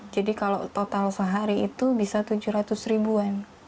jadi kalau total sehari itu bisa tujuh ratus ribuan